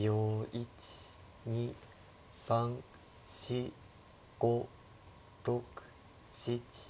１２３４５６７８９。